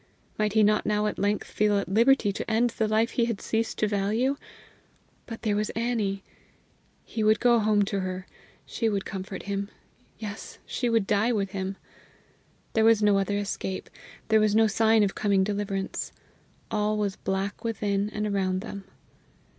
Might he not now at length feel at liberty to end the life he had ceased to value? But there was Annie! He would go home to her; she would comfort him yes, she would die with him! There was no other escape; there was no sign of coming deliverance. All was black within and around them.